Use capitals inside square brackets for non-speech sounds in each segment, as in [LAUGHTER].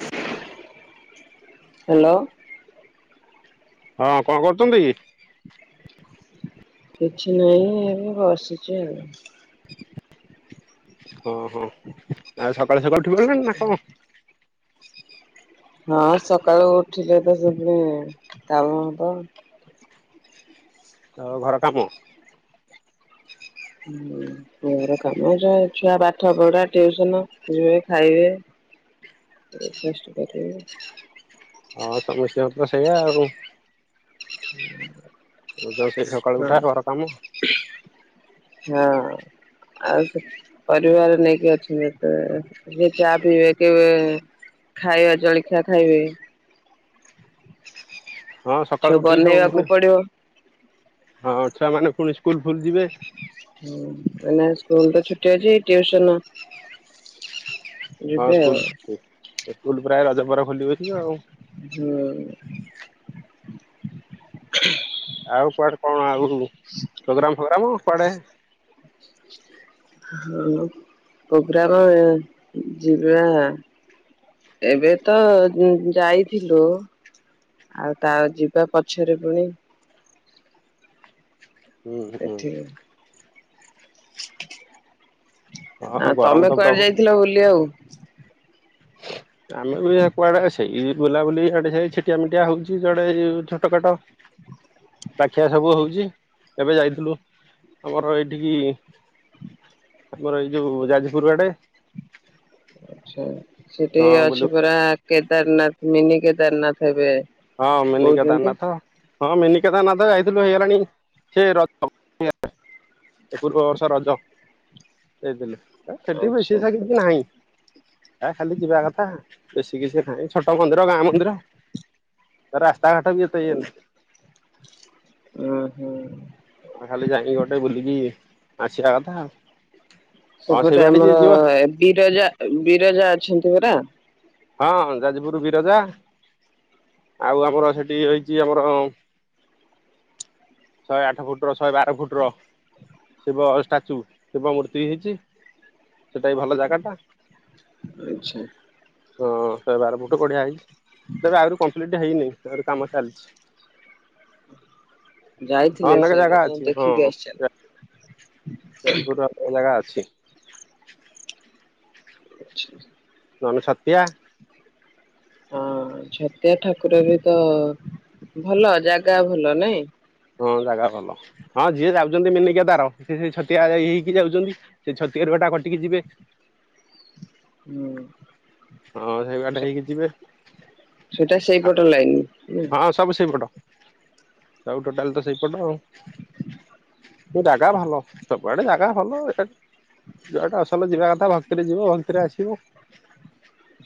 [UNINTELLIGIBLE] Hello. ହଁ କଣ କରୁଛନ୍ତି? କିଛି ନାହିଁ ଏବେ ବସିଛି ଆଉ। [UNINTELLIGIBLE] ଓହୋ ଆଉ ସକାଳୁ ସକାଳୁ ଉଠି ପଡ଼ିଲଣି [UNINTELLIGIBLE] ନା କଣ? [UNINTELLIGIBLE] ହଁ ସକାଳୁ ଉଠିଲି [UNINTELLIGIBLE] ଆଉ ଘର କାମ? ହୁଁ ଘର କାମ, ଛୁଆ ପାଠ ପଢା, ଟିଉସନ ଯିବେ, ଖାଇବେ। ବ୍ରେକ୍ ଫାଷ୍ଟ କରିବେ। ହଁ ସମସ୍ୟା [UNINTELLIGIBLE] ତ ସେଇଆ ଆଉ। [UNINTELLIGIBLE] [UNINTELLIGIBLE] ସେଇ ସକାଳୁ ହଁ ଉଠା ଘର କାମ। ହଁ ଆଉ ପରିବାର ନେଇକି ଅଛନ୍ତି। [UNINTELLIGIBLE] ଏତ କିଏ ଚା ପିଇବେ କି ଖାଇବା ଜଳଖିଆ ଖାଇବେ? ହଁ ସକାଳୁ କିଛି ଉଠିକି ସବୁ ପୁଣି ବନେଇବାକୁ ପଡିବ। ହଁ ଛୁଆମାନେ ପୁଣି ସ୍କୁଲ ଫୁଲ ଯିବେ। ହୁଁ ଏଇନା ସ୍କୁଲ ତ ଛୁଟି ଅଛି ଟିଉସନ୍। ହଁ ଯିବେ ସ୍କୁଲ ଆଉ। ସ୍କୁଲ ପରା ଏ ରଜ ପରେ ଖୋଲିବନି ଆଉ। [UNINTELLIGIBLE] ଆଉ କୁଆଡେ କଣ ଆଉ ପ୍ରୋଗ୍ରାମ ଫୋଗ୍ରାମ କୁଆଡେ ହଁ ପ୍ରୋଗ୍ରାମ ଯିବା, ଏବେ ତ ଯାଇଥିଲୁ, ଆଉ ତା ଯିବା ପଛରେ ପୁଣି ହୁଁ ହୁଁ। [INAUDIBLE] ହଁ ଆ ଗରମ ତମେ ତ କୁଆଡେ ପ୍ରବଳ ଯାଇଥିଲ ବୁଲିଆକୁ? [INAUDIBLE] ଆମେ ବି କୁଆଡେ ସେଇ ବୁଲାବୁଲି ଆଡେ ସେ ଛିଟିଆ ମିଟିଆ ହଉଚି। ଯୁଆଡେ ଛୋଟ କାଟ ପାଖିଆ ସବୁ ହଉଚି ଏବେ ଯାଇଥିଲୁ ଆମର ଏଇଠିକି ଆମର ଏଇ ଯୋଉ ଯାଜପୁର ଆଡେ। ଆଚ୍ଛା। ହଁ ସେଠେଇଁ ବୁଲୁ ଅଛି ପରା କେଦାରନାଥ। ମିନି କେଦାରନାଥ ହେବେ। ହଁ ମିନି କେଦାରନାଥ ହଁ ମିନି କେଦାରନାଥ ଯାଇଥିଲୁ ହେଇଗଲାଣି ସେ ରଜ [UNINTELLIGIBLE] ପୂର୍ବ ବର୍ଷ ରଜ। ଯାଇଥିଲୁ। ଏ ସେଠି ଆଛା ବେଶି ସା କିଛି ନାହିଁ, ଆ ଖାଲି ଯିବା କଥା। ବେଶୀ କିଛି ନାହିଁ ଛୋଟ ମନ୍ଦିର ଗାଁ ମନ୍ଦିର। ରାସ୍ ହୁଁ ହୁଁ। [UNINTELLIGIBLE] ଖାଲି ଯାଇକି ଗୋଟେ ବୁଲିକି ଆସିଆ କଥା ଆଉ। ହଁ ସେଇ ସେପଟେ ବାଟେ ଯିଏ ଆମର ଯିବ ବିରଜା ବିରଜା ଅଛନ୍ତି ପରା? ହଁ ଯାଜପୁରୁ ବିରଜା ଆଉ ଆମର ସେଠି ହେଇଛି ଆମର ଶହେ ଆଠ ଫୁଟର ଶହେ ବାର ଫୁଟର ଶିବ ଷ୍ଟାଚୁ ଶିବ ମୂର୍ତ୍ତି ହେଇଚି। ସେଟା ବି ଭଲ ଜାଗାଟା। ଆଛା ହଁ ଶହେ ବାର ଫୁଟ ଗଢିଆ ହେଇଚି ତେବେ ଆହୁରି କମ୍ପ୍ଲିଟ ହେଇନି ଆହୁରି କାମ ଚାଲିଛି। ହଁ ଯାଇଥିଲେ ଅନେକ ସେଆଡେ ଜାଗା ଅଛି ହଁ ଦେଖିକି ଆସିଛନ୍ତି। [UNINTELLIGIBLE] ଜାଗା ଅଛି। ଆଚ୍ଛା। [UNINTELLIGIBLE] [UNINTELLIGIBLE] ହଁ ଛତିଆ ଠାକୁର ବି ତ ଭଲ ଜାଗା ଭଲ ନାଇଁ। ହଁ ଜାଗା ଭଲ ହଁ ଯିଏ ଯାଉଚନ୍ତି ମିନି କେଦାର ସିଏ ସେଇ ଛତିଆ ହେଇକି ଯାଉଚନ୍ତି ସେ ଛତିଆରୁ ଏଇଟା କଟିକି ଯିବେ। ହୁଁ ହଁ ସେଇ ବାଟ ସେ ହେଇକି ଯିବେ ସେଟା ସେଇପଟ ଲାଇନ୍ ନା। ହଁ ସବୁ ସେଇପଟ। ସବୁ ଟୋଟାଲ ତ ସେଇପଟ ଆଉ ସେ ଜାଗା ଭଲ ସବୁଆଡେ ଜାଗା ଭଲ [UNINTELLIGIBLE] ଅସଲ ଯିବା କଥା ଭକ୍ତିରେ ଯିବ ଭକ୍ତିରେ ଆସିବ।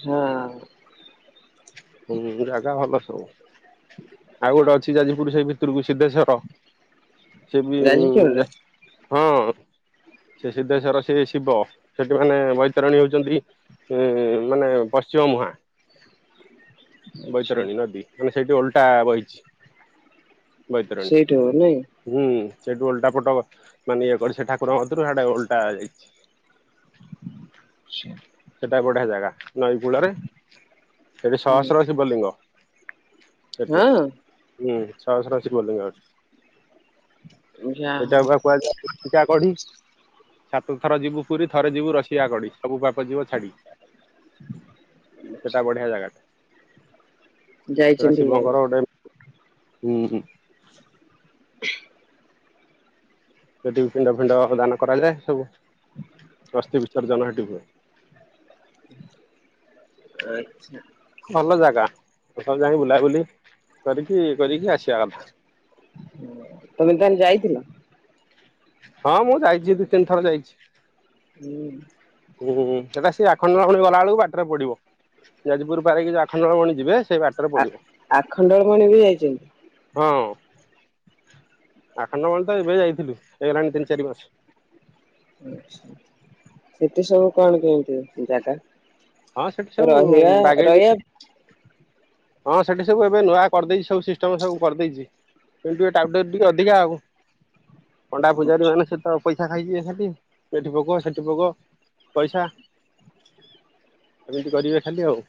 ହଁ। ହୁଁ ଜାଗା ଭଲ ସବୁ। ଆଉ ଗୋଟେ ଅଛି ଯଦି ପୁରୁଷେ ଭିତୁରୁକୁ ସିଧେଶ୍ଵର ସେ ବି ଉଁ ଯାଜପୁରରେ? ଯା ହଁ। ସେ ସିଦ୍ଧେଶ୍ବର ସେ ଶିବ। ସେଠି ମାନେ ବୈତରଣୀ ହଉଛନ୍ତି ଉ ମାନେ ପଶ୍ଚିମ ମୁହାଁ ଆଚ୍ଛା ବୈତରଣୀ ନଦୀ ମା ସେଇଠି ଓଲଟା ବହିଛି। ବୈତରଣୀ ସେଇଠୁ ନାଇଁ ହୁଁ ସେଇଠୁ ଓଲଟା ପଟ ମାନେ ଇଏ କରି ସେ ଠାକୁରଙ୍କ କତିରୁ ସେଟା ଓଲଟା ଯାଇଛି। ସେ ସେଟା ବଢିଆ ଜାଗା ନଈ କୂଳରେ ସେଠି ହୁଁ ସହସ୍ର ଶିବଲିଙ୍ଗ। ସଠି ହଁ ହୁଁ। ସହସ୍ର ଶିବଲିଙ୍ଗ ସେଠି। ଯା ସେଟା କୁ ହଉ କୁହାଯାଏ ଚିକା କଢି। ସାତ ଥର ଯିବୁ ପୁରୀ ଥରେ ଯିବୁ ରଷିଆ କଡି ସବୁ ପାପ ଯିବ ଛାଡ଼ି। ସେଟା ବଢିଆ ଜାଗାଟା‌ ଯାଇଛନ୍ତି ଉହୁଁ, [INAUDIBLE] ସେଠି ପିଣ୍ଡ ଫିଣ୍ଡ ଦାନ କରାଯାଏ ସବୁ ଅସ୍ତି ବିସର୍ଜନ ସେଠି ହୁଏ। ଆଚ୍ଛା ଭଲ ଜାଗା ସବୁ ଯାଇ ବୁଲାବୁଲି କରିକି କରିକି ଆସିବା କଥା। ଥିଲ। ହଁ ମୁଁ ଯାଇଛି ଦିଇ ତିନି ଥର ଯାଇଛି। ହୁଁ ହୁଁ ସେଟା ସେ ଆଖଣ୍ଡଳମଣୀ ଗଲା ବେଳକୁ ବାଟରେ ପଡିବ। ଯାଜପୁର ପାରି ହେକି ଯଉ ଆଖଣ୍ଡଳମଣୀ ଯିବେ ସେଇ ବାଟରେ ଆ ପଡିବ ଆଖଣ୍ଡଳମଣି ବି ଯାଇଛନ୍ତି। ହଁ ଆଖଣ୍ଡଳମଣୀ ତ ଏବେ ଯାଇଥିଲୁ ହେଇଗଲାଣି ତିନି ଚାରି ମାସ। ଆଛା ସେଠି ସବୁ କଣ କେମିତି ଜାଗା? ହଁ ସେଠି ସବୁ ରହିବା ବାଗେଇ ଦେଇ ରହିବା ହଁ ସେଠି ସବୁ ଏବେ ନୂଆ କରିଦେଇଛି ସବୁ ସିଷ୍ଟମ ସବୁ କରିଦେଇଛି କିନ୍ତୁ ଏ ଟାଉଟର ଟିକେ ଅଧିକା ଆଉ। ପଣ୍ଡା ପୂଜାରୀ ମାନେ ସେତ ପଇସା ଖାଇ ଯିବେ ଖାଲି ଏଠି ଭୋଗ ସେଠି ଭୋଗ ପଇସା ଏମିତି କରିବେ ଖାଲି ଆଉ,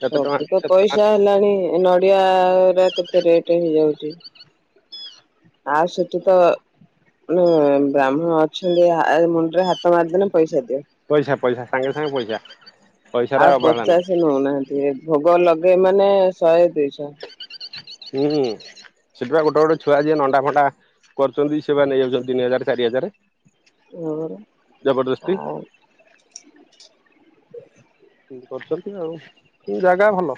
କେତେ ଟଙ୍କା ସବୁ ତ କେତେ ଟଙ୍କା ପଇସା ହେଲାଣି, ନଡିଆ ର କେତେ ରେଟ ହେଇଯାଉଛି। ଆଉ ସେଠି ତ ବ୍ରାହ୍ମଣ ଅଛନ୍ତି ମୁଣ୍ଡରେ ହାତ ମାରିଦେଲେ ପଇସା ଦିଅ, ପଇସା ପଇସା ସାଙ୍ଗେ ସାଙ୍ଗେ ପଇସା ପଇସାର ଆଉ ଅବହେଳା ନାହିଁ। ପଚାଶ ନଉନାହାନ୍ତି। ଏବ ଭୋଗ ଲଗେ ମାନେ ଶହେ ଦୁଇ ଆଛା। ହୁଁ ସେଥିପାଇଁ ଗୋଟେ ଗୋଟେ ଛୁଆ ଯିଏ ନଣ୍ଡା ଫଣ୍ଡା କରୁଛନ୍ତି ସେମାନେ ନେଇ ଯାଉଛନ୍ତି ତିନି ହଜାର ଚାରି ହଜାର। ଏ ଆ ଜବରଦସ୍ତି [INAUDIBLE] ତି କରିଛନ୍ତି ଆଉ ଜାଗା ଭଲ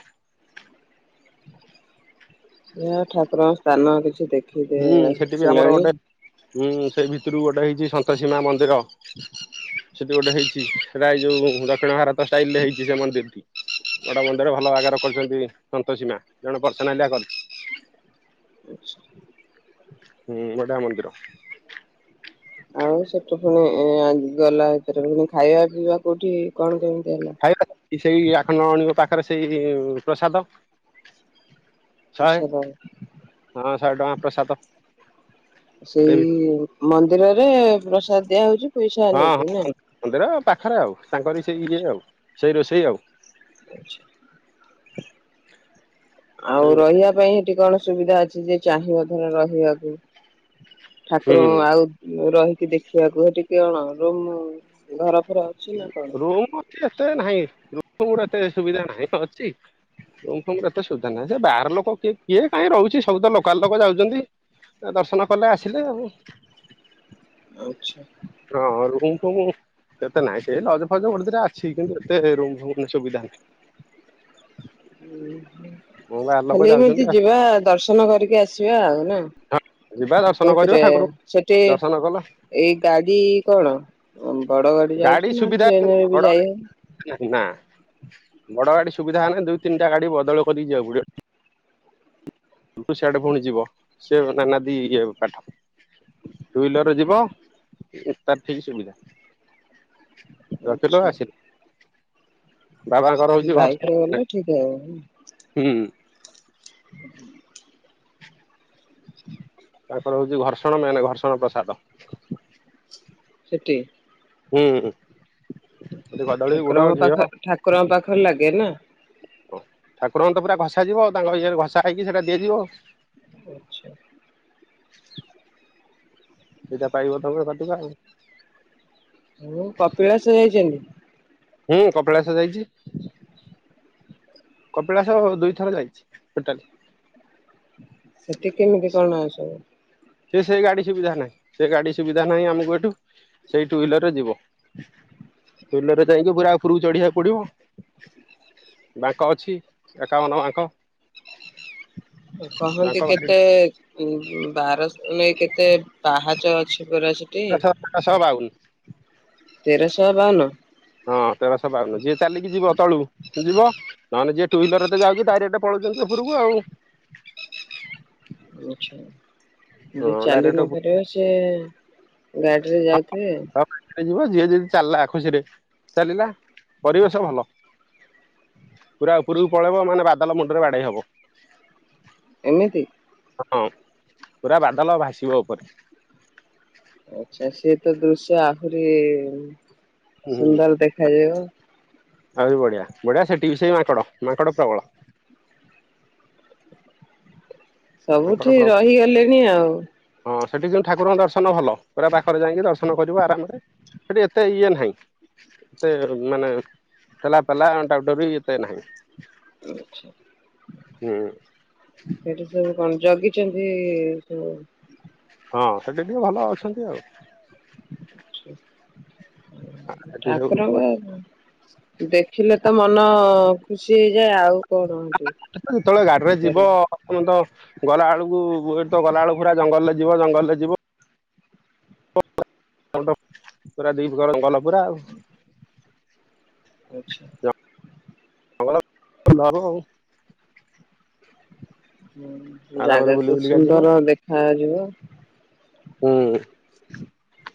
ଯ ଠାକୁରଙ୍କ ସ୍ଥାନ କିଛି ଦେଖ ହୁଁ ସେଠି ବି ଆମର ଗୋଟେ ହୁଁ ସେଇ ଭିତରୁ ଗୋଟେ ହେଇଛି ସନ୍ତସୀମା ମନ୍ଦିର। ସେଠି ଗୋଟେ ହେଇଛି ସେଇଟା ଏଇ ଯୋଉ ଦକ୍ଷିଣ ଭାରତ ଷ୍ଟାଇଲ ରେ ହେଇଛି। ସେ ମନ୍ଦିରଟି ଗୋଟେ ମନ୍ଦିର ଭଲ ଆଗର କରୁଛନ୍ତି ସନ୍ତସୀମା ଜଣେ ପର୍ସ ନାଲିଆ କରିଛି। [INAUDIBLE] ହୁଁ ବଡ଼ା ମନ୍ଦିର। ଆଉ ସେଠୁ ପୁଣି ଗଲା ଭିତରେ ପୁଣି ଖାଇବା ପିଇବା କୋଉଠି କଣ କେମିତି ହେଲା ଖାଇବା ସେଇ ଆଖଣ୍ଡଳ ମଣି ଙ୍କ ପାଖରେ ସେଇ ପ୍ରସାଦ ପ୍ରସାଦ ଶହେଟଙ୍କା ପ୍ରସାଦ। ସେଇ ମନ୍ଦିରରେ ପ୍ରସାଦ ଦିଆ ହଉଛି। ପଇସା ହଁ ନେଇକି ହଁ ନା। ମନ୍ଦିର ପାଖରେ ଆଉ। ତାଙ୍କରି ସେଇ ଇଏ ଆଉ। ସେଇ ରୋଷେଇ ଆଉ ଆଛା। ଆଉ ସେଇ ରହିବା ପାଇଁ? ଏଠି କଣ ସୁବିଧା ଅଛି ଯେ ଚାହିଁବ ଧର ରହିବାକୁ? ଠାକୁର ହୁଁ ଆଉ ରହି [UNINTELLIGIBLE] ଦେଖିବାକୁ ଟିକେ କଣ ରୁମ୍ ଘର ଫର ଅଛି ନା କଣ? ରୁ ରୁମ୍ ଏତେ ନାହିଁ ରୁମ୍ ର ଏତେ ସୁବିଧା ନାହିଁ ଅଛି। ରୁମଫୁମ୍ ଏତେ ସୁବିଧା ନାହିଁ ସେ ବାହାର ଲୋକ କିଏ କିଏ କାହିଁ ରହୁଛି ସବୁ ତ ଲୋକାଲ୍ ଲୋକ ଯାଉଛନ୍ତି ଦର୍ଶନ କଲେ ଆସିଲେ ଆଉ। ଆଚ୍ଛା। ହଁ ରୁମଫୁମ୍ ଏତେ ନାଇଁ ସେ ଲଜଫଜ୍ ଗୋଟେ ଦିଟା ଅଛି କିନ୍ତୁ ଏତେ ରୁମଫୁମ୍ ସୁବିଧା ନାହିଁ। ହଁ ବାହାର ଲୋକ ଖାଲି ଏମିତି ଯାଉଛନ୍ତି ଆଉ ଯିବା ଦର୍ଶନ କରିକି ଆସିବା ଆଉ ନା। ଯିବା ଦର୍ଶନ କରିବ କୋଉଥିରେ ଠାକୁର ସେଠି ଦର୍ଶନ କଲ ଏଇ ଗାଡି କଣ ବଡ ଗାଡି ଯାଉଛି ନା ସୁବିଧା ଟ୍ରେନରେ ବି ବଡ ଯାଇହବ? ଗାଡି ନା, ବଡ ଗାଡି ସୁବିଧା ହେନେ ଦୁଇ ତିନିଟା ଗାଡି ବଦଳ କରିକି ଯିବାକୁ ପଡିବ। [INAUDIBLE] ସ୍ୟାଡେ ପୁଣି ଯିବ ସେ ନାନାଦି ଇଏ ପାଠ, ଟୁ ହ୍ଵିଲରରେ ଯିବ ତାର ଠିକ୍ ସୁବିଧା [UNINTELLIGIBLE] ଆଛା ଆସିଲେ ବାବାଙ୍କର ହଉଛି ବାଇକ ଭରଷା୍ ରେ ଗଲେ ଠିକ [UNINTELLIGIBLE] ହବ ହୁଁ [INAUDIBLE] ତାଙ୍କର ହଉଛି ଘର୍ଷଣ ମାନେ ଘର୍ଷଣ ପ୍ରସାଦ। ସେଟି ହୁଁ ସେଠି କଦଳୀ ଗୁଡ ଠାକୁରଙ୍କ ଘିଅ ପାଖ ଠାକୁରଙ୍କ ପାଖରେ ଲାଗେ ନା? ଓ ଠାକୁରଙ୍କୁ ତ ପୁରା ଘସାଯିବ ତାଙ୍କ ଇଏରେ ଘସାହେଇକି ସେଇଟା ଦିଆଯିବ। ଆଚ୍ଛା। ସେଇଟା ପାଇବ ତମେ କଟିବ ଆଉ ହୁଁ କପିଳାସ ଯାଇଚନ୍ତି? ହୁଁ କପିଳାସ ଯାଇଚି, କପିଳାସ ଦୁଇଥର ଯାଇଛି ଟୋଟାଲେ। ସେଠି କେମିତି କଣ ସବୁ? ସେ ସେ ଗାଡି ସୁବିଧା ନାହିଁ, ସେ ଗାଡି ସୁବିଧା ନାହିଁ ଆମକୁ ଏଠୁ ସେଇ ଟୁ ହ୍ଵିଲରରେ ଯିବ ଟୁ ହ୍ୱିଲରେ ଯାଇକି ପୁରା ଉପରକୁ ଚଢିବାକୁ ପଡିବ [INAUDIBLE] ବାଙ୍କ ଅଛି ଏକାବନ ବାଙ୍କ। କହନ୍ତି ବାଙ୍କ ଭାରି କେତେଏଏ ଉଁ ବାର ନାଇଁ କେତେ ପାହାଚ ଅଛି ପରା ସେଠି? ଶହ ବାଉନ ତେରଶହ ବାଉନ ହଁ ତେରସ ବାଉନୁ ଯିଏ ଚାଲିକି ଯିବ ତଳୁ ସେ ଯିବ ନହେଲେ ଯିଏ ଟୁ ହ୍ଵିଲର ତ‌ ଯାଉଛି ତାରିପଟେ ପଳଉଛନ୍ତି ଉପରକୁ ଆଉ ଆଚ୍ଛା। ହଁ ଯିଏ ଚାଲି ଡାଇରେକ୍ଟ ନ ପାରିବ ସେ ଗାଡିରେ ଯାଉଥିବେ ଉପରକୁ ଯିବ ଯିଏ ଯଦି ଚାଲିଲା ଖୁସିରେ ଚାଲିଲା ପରିବେଶ ଭଲ, ପୁରା ଉପରକୁ ପଳେଇବ ମାନେ ବାଦଲ ମୁଣ୍ଡରେ ବାଡେଇ ହବ। ଏମିତି ହଁ ପୁରା ବାଦଲ ଭାସିବ ଉପରେ। ଆଚ୍ଛା ସିଏ ତ ଦୃଶ୍ୟ ଆହୁରି ହୁଁ ସୁନ୍ଦର ଦେଖାଯିବ। ଆହୁରି ବଢିଆ ବଢିଆ ସେଠିବି ସେ ମାଙ୍କଡ, ମାଙ୍କଡ ପ୍ରବଳ। ମାଙ୍କଡ ସବୁଠି ପ୍ରବଳ ରହିଗଲେଣି ଆଉ ହଁ ସେଠି କିନ୍ତୁ ଠାକୁରଙ୍କ ଦର୍ଶନ ଭଲ ପୁରା ପାଖରେ ଯାଇକି ଦର୍ଶନ କରିବୁ ଆରାମରେ, ସେଠି ଏତେ ଇଏ ନାହିଁ ଏତେ ମାନେ ଠେଲାପେଲା ଟାଉଟରେ ଏତେ ନାହିଁ। ହୁଁ ସେଠି ସବୁ କଣ? ଜଗିଚନ୍ତି ସେମା ହଁ ସେଠି ଟିକେ ଭଲ ଅଛନ୍ତି ଆଉ ଆଚ୍ଛା ସେଠି ସବୁ ଠାକୁରଙ୍କ ଦେଖିଲେ ତ ମନ ଖୁସି ହେଇଯାଏ ଆଉ କଣ ସେଠି [INAUDIBLE] ଯେତେବେଳେ ଗାଡିରେ ଯିବ କରିବା ଆପଣ ତ ଗଲା ବେଳୁକୁ ଏଇଟି ତ ଗଲାବେଳକୁ ପୁରା ଜଙ୍ଗଲରେ ଯିବ ଜଙ୍ଗଲରେ ଯିବ [UNINTELLIGIBLE] ପୁରା [UNINTELLIGIBLE] ଗଲ ପୁରା ଆଉ ଆଚ୍ଛା। [UNINTELLIGIBLE] ହଁ ଆରାମରେ ଜାଗା ବୁଲି ତ ବୁଲିକା ଯିବ। ସୁନ୍ଦର ଦେଖା ଯିବ ହ ହଁ।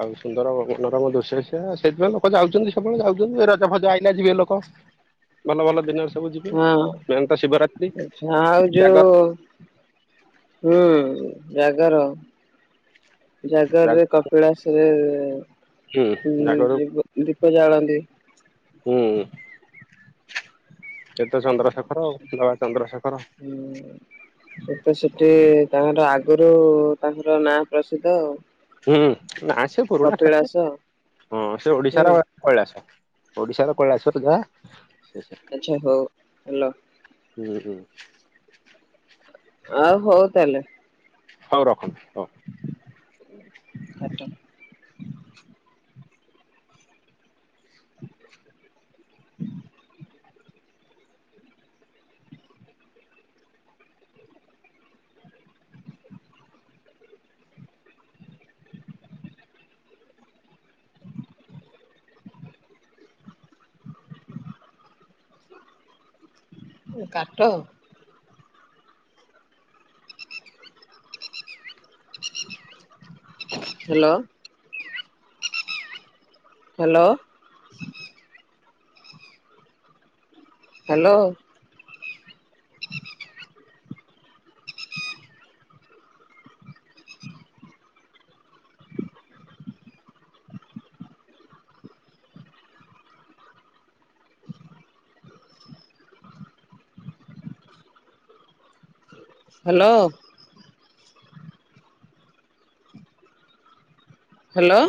ଆଉ ସୁନ୍ଦର ମନୋରମ ଦୃଶ୍ୟ ଦେଖିବା, ସେଇଥିପାଇଁ ଲୋକ ଯାଉଚନ୍ତି ସବୁବେଳେ ଯାଉଚନ୍ତି ଏଉରା ଯମହାଯା ଇନା ଯିବେ ଲୋକ ଭଲ ଭଲ ଦିନରେ ସବୁ ଯିବେ ହଁ ନହେନ ତ ଶିବରାତ୍ରି ଆଚ୍ଛା ଆଉ ଜାଗର ଯୋଉ ହୁଁ ଜାଗର ଜାଗ ଜାଗରରେ କପିଳାସରେ ହୁଁ ଉଁ, ଜାଗର ଦୀ-ଦୀପ ଜାଳନ୍ତି ହଁ। ହୁଁ, ଏ ତ ଚନ୍ଦ୍ରଶେଖର ବାବା ଚନ୍ଦ୍ରଶେଖ ହୁଁ, ତୋର ତ ସେଠି ତାଙ୍କର ଆଗରୁ ତାଙ୍କର ନାଁ ପ୍ରସିଦ୍ଧ। ହୁଁ। ନା ସେ ପୁରୁଣା ଠାକୁର କପିଳାସ ହଁ ସେ ହୁଁ ଓଡିଶାର କୈଳାସ। ଓଡ଼ିଶା ର କୈଳାସ ରେ ଯା ଆଚ୍ଛା, ହଉ, ହେଲା। ହୁଁ, ହୁଁ, ଆଉ ହଉ ତାହେଲେ ହଉ ରଖନ ଅ, କାଟ [INAUDIBLE] କାଟଅ hello. Hello. Hello. Hello. Hello.